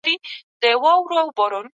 اسلام د انسانیت ساتونکی دی.